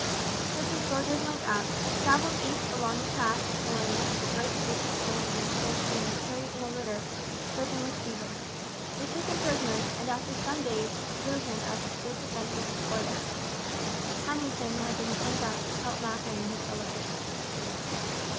But the soldiers went out, travelled east along the paths till they met the great Bishop Hannington being carried in a litter, stricken with fever. They took him prisoner, and, after some days, slew him as he stood defenceless before them. Hannington had been sent out to help Mackay and his fellow Christians.